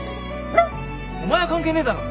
お前は関係ねえだろ。